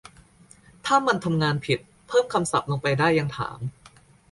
ถ้ามันทำงานผิด เพิ่มคำศัพท์ลงไปได้ ยังถาม